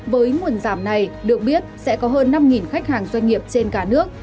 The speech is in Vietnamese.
với nguồn giảm này được biết sẽ có hơn năm khách hàng doanh nghiệp trên cả nước